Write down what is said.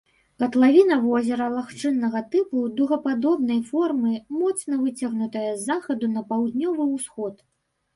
Катлавіна возера лагчыннага тыпу дугападобнай формы, моцна выцягнутая з захаду на паўднёвы ўсход.